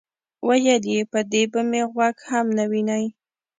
ویل یې: په دې به مې غوږ هم نه وینئ.